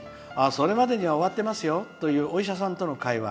それまでには終わってますよというお医者さんとの会話。